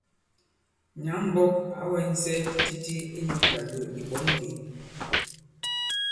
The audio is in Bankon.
Nyǎŋ-mbɔk ǎ wɛŋsɛ titi inyū ŋgàndò ì ɓɔ̌n ɓē.